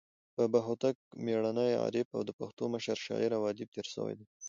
بابا هوتک میړنى، عارف او د پښتو مشر شاعر او ادیب تیر سوى دئ.